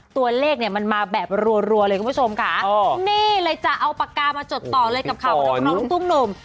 ตัวเลขเนี่ยมันมาแบบรัวเลยคุณผู้ชมค่ะนี่เลยจะเอาปากกามาจดต่อเลยกับข่าวของนักร้องลูกทุ่งหนุ่ม